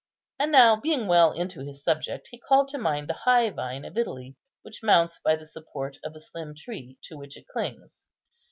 And now, being well into his subject, he called to mind the high vine of Italy, which mounts by the support of the slim tree to which it clings.